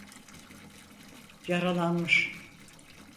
Yaralanmış…